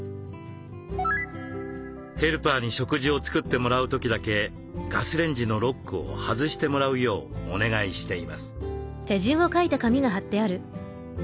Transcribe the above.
ヘルパーに食事を作ってもらう時だけガスレンジのロックを外してもらうようお願いしています。